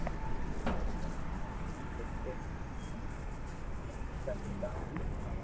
آوہ ھون ڪونڪھ ٿي مني سچا ھردا مون